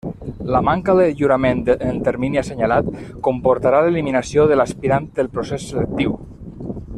La manca de lliurament en el termini assenyalat comportarà l'eliminació de l'aspirant del procés selectiu.